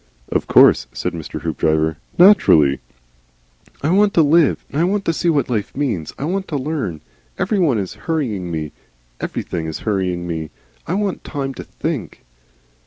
"Of course," said Mr. Hoopdriver. "Naturally." "I want to Live, and I want to see what life means. I want to learn. Everyone is hurrying me, everything is hurrying me; I want time to think."